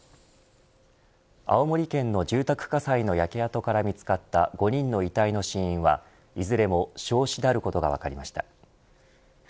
青森県の住宅火災の焼け跡から見つかった５人の遺体の死因は、いずれも焼死であることが分かりました。